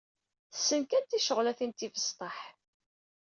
Tessen kan ticeɣlatin tibesṭaḥ.